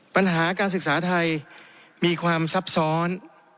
ปัญหาการศึกษาไทยมีความซับซ้อน